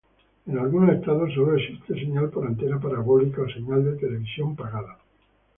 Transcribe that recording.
En algunos estados sólo existe señal por antena parabólica o señal de televisión paga.